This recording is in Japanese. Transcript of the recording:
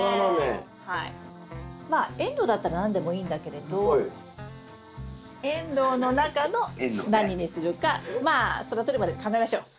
まあエンドウだったら何でもいいんだけれどエンドウの中の何にするかまあ育てるまでに考えましょう。